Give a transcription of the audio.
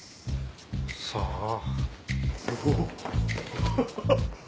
さあ？